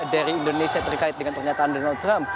dari indonesia terkait dengan pernyataan donald trump